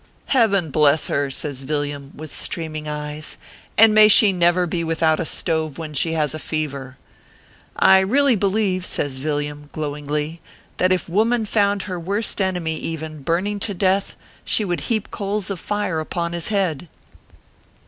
"Heaven bless her!" says Villiam, with streaming eyes ; "and may she never be without a stove when she has a fever. I really believe," says Villiam, glow ingly, " that if woman found her worst enemy, even, burning to deatli, she would heap coals of fire upon his head."